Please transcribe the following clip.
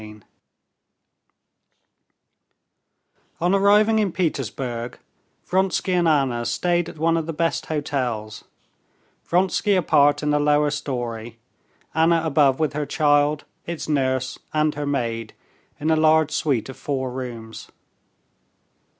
Chapter 28 On arriving in Petersburg, Vronsky and Anna stayed at one of the best hotels; Vronsky apart in a lower story, Anna above with her child, its nurse, and her maid, in a large suite of four rooms.